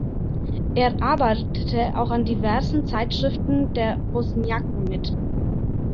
Er arbeitete auch an diversen Zeitschriften der Bosniaken mit.